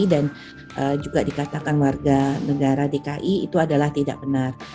dan juga dikatakan warga negara dki itu adalah tidak benar